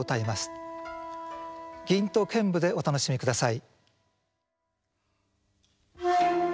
吟と剣舞でお楽しみください。